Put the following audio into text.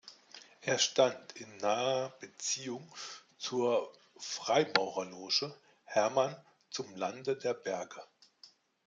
Er stand in naher Beziehung zur Freimaurerloge „Hermann zum Lande der Berge“.